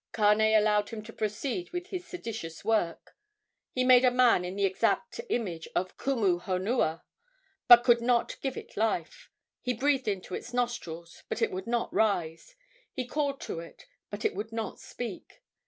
Kane allowed him to proceed with his seditious work. He made a man in the exact image of Kumu honua, but could not give it life. He breathed into its nostrils, but it would not rise; he called to it, but it would not speak.